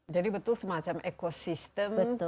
jadi betul semacam ekosistem